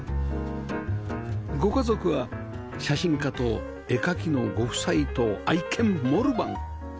ご家族は写真家と絵描きのご夫妻と愛犬モルバン